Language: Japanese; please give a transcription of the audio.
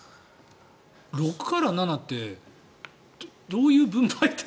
６から７ってどういう分配で。